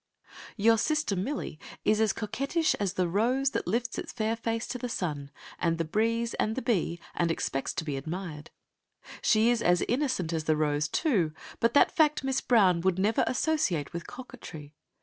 Your sister Millie is as coquettish as the rose that lifts its fair face to the sun, and the breeze, and the bee, and expects to be admired. She is as innocent as the rose, too, but that fact Miss Brown would never associate with coquetry.